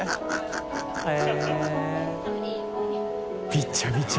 びちゃびちゃ。